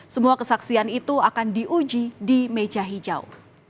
semua kesaksian itu akan diuji di meja hijau